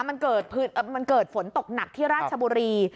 มันเกิดฝนตกหนักที่ราชบุรี